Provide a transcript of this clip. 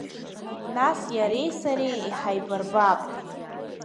Нас иареи сареи иҳаибарбап…